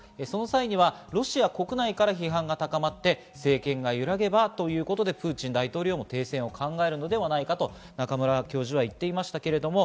その際にはロシア国内から批判が高まって政権が揺らげばということでプーチン大統領も停戦を考えるのではないかと中村教授は言っていました。